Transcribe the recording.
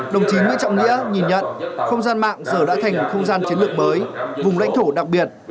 đồng chí nguyễn trọng nghĩa nhìn nhận không gian mạng giờ đã thành một không gian chiến lược mới vùng lãnh thổ đặc biệt